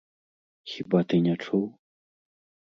Хіба ты не чуў?